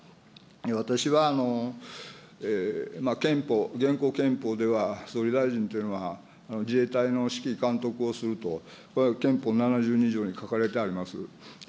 私は憲法、現行憲法では、総理大臣というのは自衛隊の指揮監督をすると、これは憲法７２条に書かれてあります。